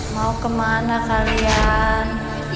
mau kemana kalian